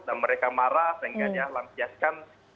dan mereka marah sehingga dia langsiaskan kemarahan itu dengan mempantai